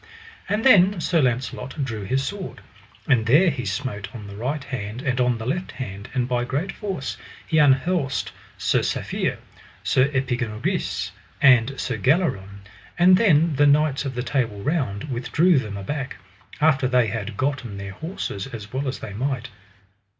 And then Sir Launcelot drew his sword, and there he smote on the right hand and on the left hand, and by great force he unhorsed Sir Safere, Sir Epinogris, and Sir Galleron; and then the knights of the Table Round withdrew them aback, after they had gotten their horses as well as they might.